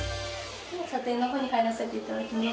では、査定のほうに入らせていただきます。